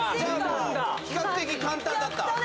比較的簡単だった？